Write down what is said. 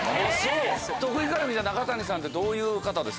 徳井から見た中谷さんってどういう方ですか？